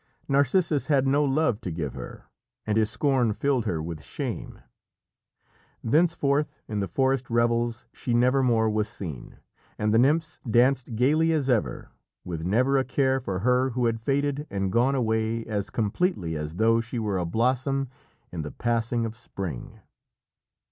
Narcissus had no love to give her, and his scorn filled her with shame. Thenceforth in the forest revels she never more was seen, and the nymphs danced gaily as ever, with never a care for her who had faded and gone away as completely as though she were a blossom in the passing of spring.